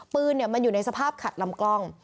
ปืนมันอยู่ในสภาพขัดลำกล้อง